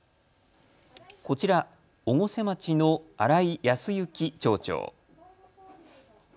こちら越生町の新井康之町長。